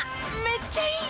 めっちゃいい！